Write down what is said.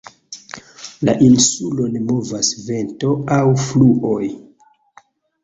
La insulon movas vento aŭ fluoj.